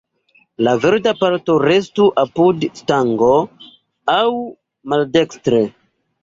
La verda parto restu apud stango, aŭ maldekstre.